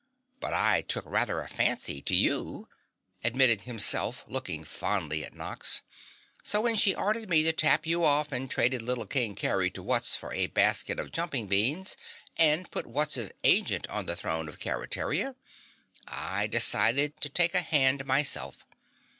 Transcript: But I took rather a fancy to you," admitted Himself looking fondly at Nox. "So, when she ordered me to tap you off and traded little King Kerry to Wutz for a basket of jumping beans and put Wutz's agent on the throne of Keretaria, I decided to take a hand myself.